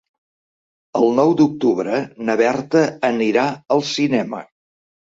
El nou d'octubre na Berta anirà al cinema.